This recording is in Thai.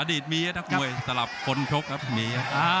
อดีตมีนะครับมวยสำหรับคนชกครับมี